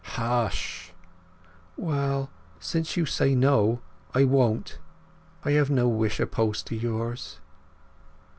"Ssh!" "Well, since you say no, I won't. I have no wish opposed to yours."